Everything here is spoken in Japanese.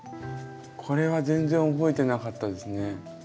これは全然覚えてなかったですね。